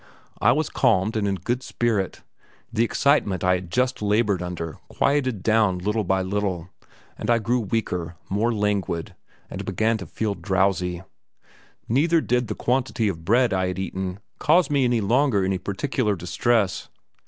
I was calmed and in good spirit. The excitement I had just laboured under quieted down little by little, and I grew weaker, more languid, and began to feel drowsy. Neither did the quantity of bread I had eaten cause me any longer any particular distress.